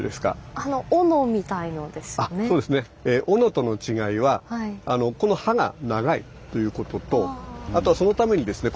斧との違いはこの刃が長いということとあとはそのためにですね